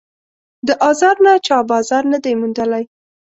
د آزار نه چا بازار نه دی موندلی